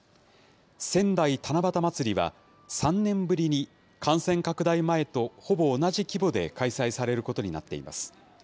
仙台七夕まつりは、３年ぶりに感染拡大前とほぼ同じ規模で開催されることになっています。